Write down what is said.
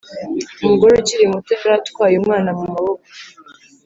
umugore ukiri muto yari atwaye umwana mu maboko.